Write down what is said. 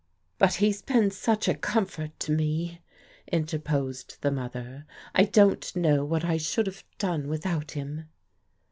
" But he's been such a comfort to me," interposed the mother. " I don't know what I ^should have done with out him."